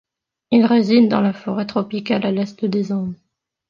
Il réside dans la forêt tropicale à l'est des Andes.